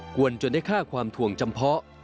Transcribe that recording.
วนจนได้ค่าความถ่วงจำเพาะ